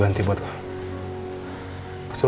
untuk mem twisted